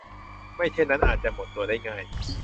ไม่เช่นนั้นอาจจะหมดตัวได้ง่าย